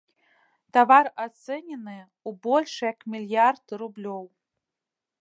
Тавар ацэнены ў больш як мільярд рублёў.